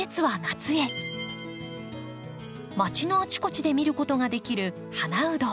まちのあちこちで見ることができるハナウド。